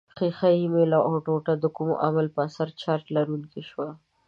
ښيښه یي میله او ټوټه د کوم عامل په اثر چارج لرونکې شوه؟